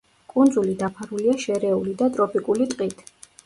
კუნძული დაფარულია შერეული და ტროპიკული ტყით.